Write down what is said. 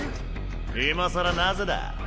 今更なぜだ？